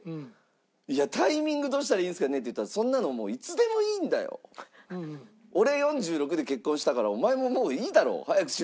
「いやタイミングどうしたらいいんですかね？」って言ったら「そんなのもういつでもいいんだよ」「俺４６で結婚したからお前ももういいだろう。早くしろ！」